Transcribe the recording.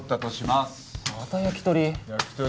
また焼き鳥？